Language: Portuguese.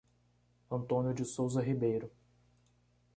Antônio de Souza Ribeiro